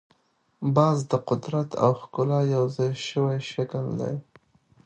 باز د قدرت او ښکلا یو ځای شوی شکل دی